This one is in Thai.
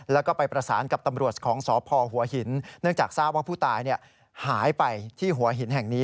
แล้วก็ไปประสานกับตำรวจของสพหัวหินเนื่องจากทราบว่าผู้ตายหายไปที่หัวหินแห่งนี้